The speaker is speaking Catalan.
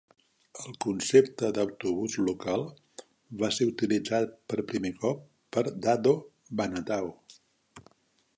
El concepte d'autobús local va ser utilitzat per primer cop per Dado Banatao.